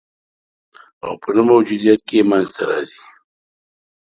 او په نه موجودیت کي یې منځ ته راځي